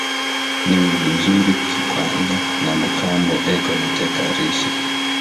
Ni muzuri kwikala na mkambo eko na teka arishi